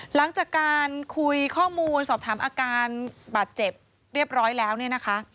หลังจากการคุยข้อมูลสอบถามอาการบาดเจ็บเรียบร้อยแล้วเนี่ยนะคะ